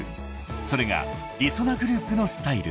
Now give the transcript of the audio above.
［それがりそなグループのスタイル］